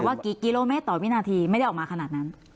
ว่ากี่กิโลเมตรต่อวินาทีไม่ได้ออกมาขนาดนั้น